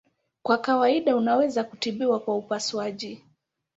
Kwa kawaida unaweza kutibiwa kwa upasuaji.